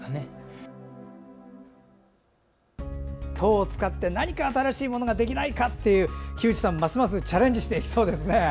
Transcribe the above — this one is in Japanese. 籐を使って何か新しいものができないかって木内さん、ますますチャレンジしていきそうですね。